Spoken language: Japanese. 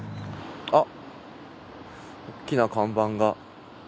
あっおっきな看板が。